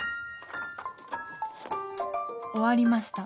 終わりました。